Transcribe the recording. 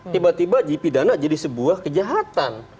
tiba tiba di pidana jadi sebuah kejahatan